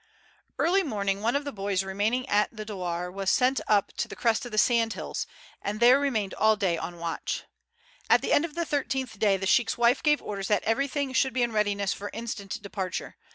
Each morning one of the boys remaining at the douar was sent up to the crest of the sand hills, and there remained all day on watch. At the end of the thirteenth day the sheik's wife gave orders that everything should be in readiness for instant departure.